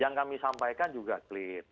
yang kami sampaikan juga clear